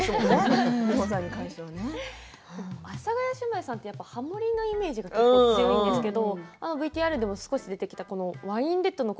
阿佐ヶ谷姉妹さんはハモりのイメージが強いんですけれどもＶＴＲでも出てきた「ワインレッドの心」